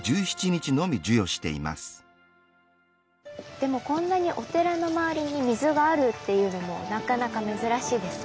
でもこんなにお寺の周りに水があるっていうのもなかなか珍しいですね。